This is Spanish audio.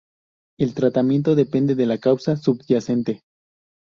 El tratamiento depende de la causa subyacente.